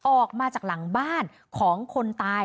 ออกมาจากหลังบ้านของคนตาย